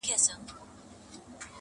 د ايمل بابا دغرونو -